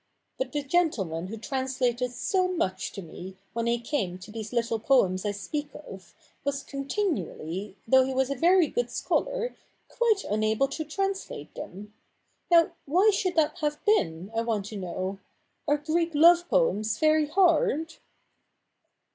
But the gentleman who translated so much to me, when he came to these little poems I speak of. was continually, though he was a very good scholar, quite unable to translate them. Now, why should that have been, I want to know? Are Greek love poems very hard